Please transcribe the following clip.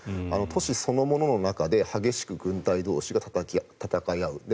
都市そのものの中で激しく軍隊同士がたたき合う。